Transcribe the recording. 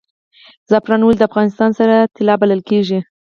زعفران ولې د افغانستان سره طلا بلل کیږي؟